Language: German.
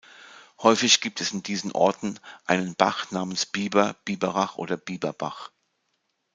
Häufig gibt es in diesen Orten einen Bach namens "Biber", "Biberach" oder "Biberbach".